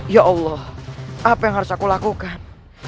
ya allah apa yang harus aku lakukan